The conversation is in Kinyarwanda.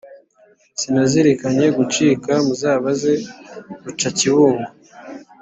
Sinazirikanye gucikaMuzabaze Rucakibungo